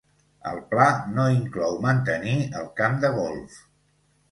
El pla no inclou mantenir el camp de golf.